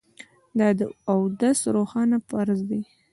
دا د اودس روښانه فرض دی